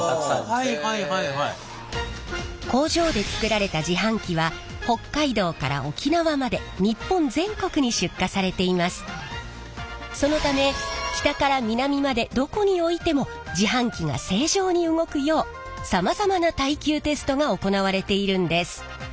工場で作られた自販機は北海道から沖縄までそのため北から南までどこに置いても自販機が正常に動くようさまざまな耐久テストが行われているんです。